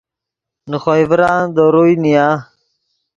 نے خوئے ڤران دے روئے نیا